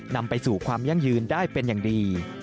นำไปสู่ความยั่งยืนได้เป็นอย่างดี